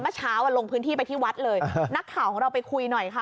เมื่อเช้าลงพื้นที่ไปที่วัดเลยนักข่าวของเราไปคุยหน่อยค่ะ